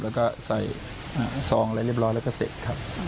แล้วก็ใส่ซองอะไรเรียบร้อยแล้วก็เสร็จครับ